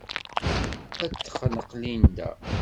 Ad t-texneq Linda.